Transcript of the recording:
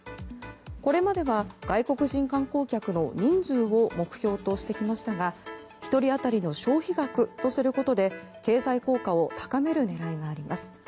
これまでは外国人観光客の人数を目標としてきましたが１人当たりの消費額とすることで経済効果を高める狙いがあります。